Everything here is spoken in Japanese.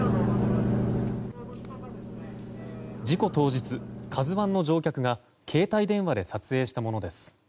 事故当日「ＫＡＺＵ１」の乗客が携帯電話で撮影したものです。